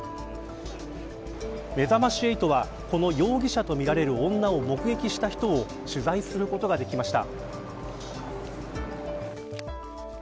めざまし８はこの容疑者と見られる女を目撃した人を取材することができました。